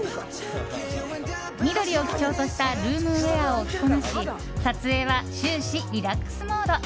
緑を基調としたルームウェアを着こなし撮影は終始リラックスモード。